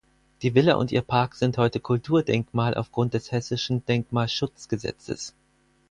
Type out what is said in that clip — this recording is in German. Die Villa und ihr Park sind heute Kulturdenkmal aufgrund des Hessischen Denkmalschutzgesetzes.